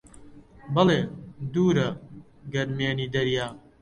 بەڵێ: دوورە گەرمێنی دەریا